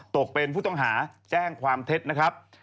ตกเป็นผู้ต้องหาแจ้งความเท็จนะครับ